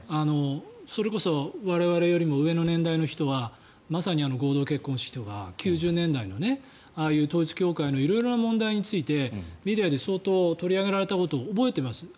それこそ我々よりも上の年代の人は合同結婚式とか９０年代のああいう統一教会の色々な問題についてメディアで相当取り上げられたことを覚えています。